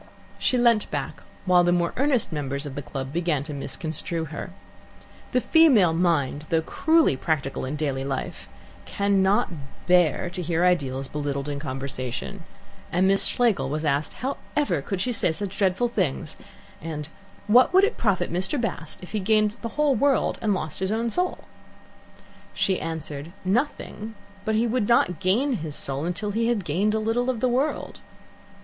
She leant back while the more earnest members of the club began to misconstrue her. The female mind, though cruelly practical in daily life, cannot bear to hear ideals belittled in conversation, and Miss Schlegel was asked however she could say such dreadful things, and what it would profit Mr. Bast if he gained the whole world and lost his own soul. She answered, "Nothing, but he would not gain his soul until he had gained a little of the world."